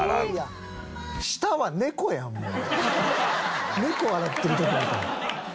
下は猫やんもう。